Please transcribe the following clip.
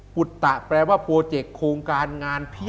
ปุตตะแปลว่าโปรเจคโครงการงานพิธี